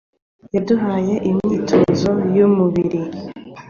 yaduhaye imyitozo y ‘umubiri